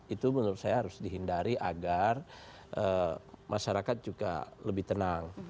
itu menurut saya harus dihindari agar masyarakat juga lebih tenang